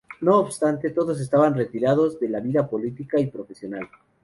No obstante, todos estaban retirados de la vida política y profesional.